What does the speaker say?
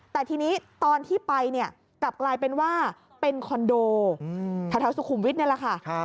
แต่ทีนี้ตอนที่ไปเนี่ยกลับกลายเป็นว่าเป็นคอนโดแถวสุขุมวิทย์นี่แหละค่ะ